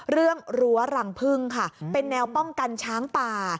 รั้วรังพึ่งค่ะเป็นแนวป้องกันช้างป่า